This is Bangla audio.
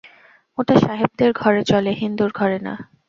ওটা সাহেবদের ঘরে চলে, হিন্দুর ঘরে না।